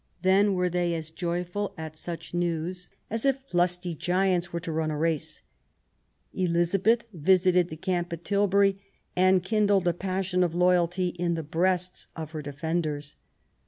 Then were they as joyful at such news as if lusty giants were to run a race." Eliza beth visited the camp at Tilbury and kindled a passion of loyalty in the breasts of her defenders.